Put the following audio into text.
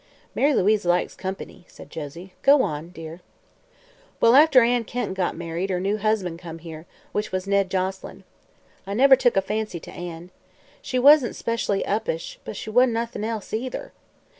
"Mary Louise likes company," said Josie. "Go on, dear." "Well, after Ann Kenton got married, her new husban' come here, which was Ned Joselyn. I never took a fancy to Ann. She wasn't 'specially uppish, but she wasn't noth'n else, either.